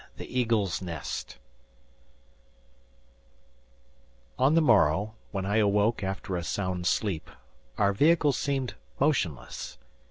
THE EAGLE'S NEST On the morrow, when I awoke after a sound sleep, our vehicle seemed motionless.